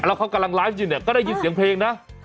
แล้วเขากำลังไลฟ์อยู่เนี่ยก็ได้ยินเสียงเพลงนะ